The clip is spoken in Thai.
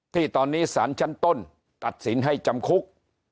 ที่ตอนนี้สารชั้นต้นตัดสินให้จำคุก